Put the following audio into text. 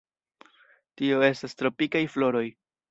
Tio estas tropikaj floroj.